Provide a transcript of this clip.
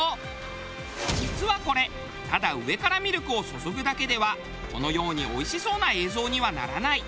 実はこれただ上からミルクを注ぐだけではこのようにおいしそうな映像にはならない。